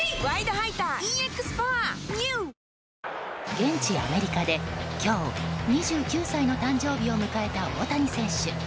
現地アメリカで、今日２９歳の誕生日を迎えた大谷選手。